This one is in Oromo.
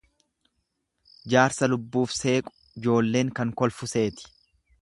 Jaarsa lubbuuf seequ joolleen kan koflu seeti.